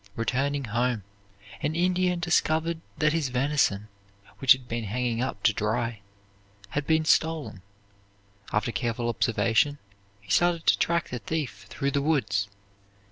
Returning home, an Indian discovered that his venison, which had been hanging up to dry, had been stolen. After careful observation he started to track the thief through the woods.